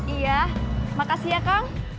iya makasih ya kang